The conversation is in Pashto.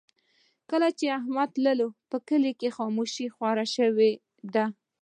کله چې احمد تللی، په کلي کې خاموشي خوره شوې ده.